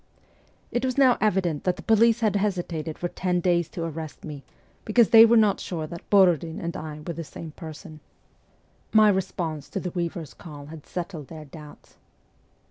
It was now evident that the police had hesitated for ten days to arrest me, because they were not sure that Borodin and I were the same person. 128 MEMOIRS OF A REVOLUTIONIST My response to the weaver's call had settled their doubts.